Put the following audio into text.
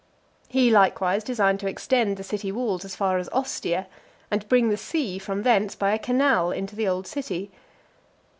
He likewise designed to extend the city walls as far as Ostia, and bring the sea from thence by a canal into the old city.